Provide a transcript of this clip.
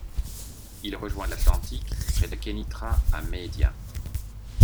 Il rejoint l'Atlantique près de Kénitra à Mehdia.